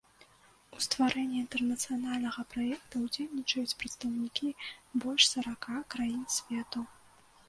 У стварэнні інтэрнацыянальнага праекта ўдзельнічаюць прадстаўнікі больш сарака краін свету.